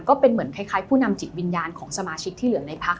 ก็เป็นเหมือนคล้ายผู้นำจิตวิญญาณของสมาชิกที่เหลือในพัก